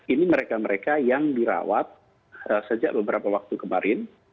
ini mereka mereka yang dirawat sejak beberapa waktu kemarin